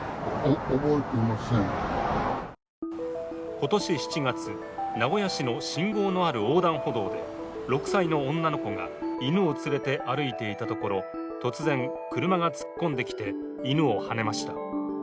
今年７月、名古屋市の信号のある横断歩道で６歳の女の子が犬を連れて歩いていたところ突然、車が突っ込んできて犬をはねました。